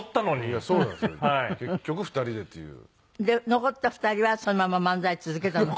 残った２人はそのまま漫才を続けたの？